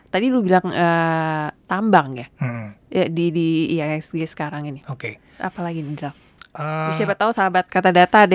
tadi lu bilang tambang ya di ihsg sekarang ini oke apalagi di draft siapa tahu sahabat kata data